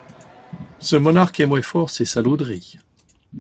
Ce monarque aymoyt fort ces salauderies.